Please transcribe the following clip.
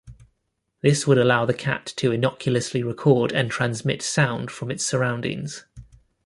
This would allow the cat to innocuously record and transmit sound from its surroundings.